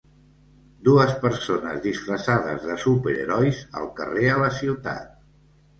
Dues persones disfressades de superherois al carrer a la ciutat.